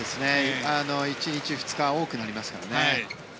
１日、２日多くなりますね。